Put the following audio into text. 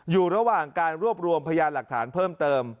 อยู่ระหว่างการรวบรวมพยานหลักฐานเพิ่มเติม